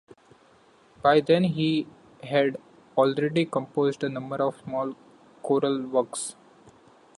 By then he had already composed a number of small choral works.